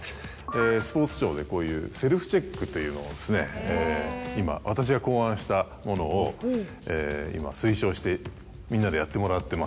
スポーツ庁でこういう「セルフチェック」というのを今私が考案したものを今推奨してみんなでやってもらってます。